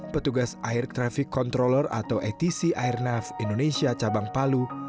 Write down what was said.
petugas air traffic controller atau atc airnav indonesia cabang palu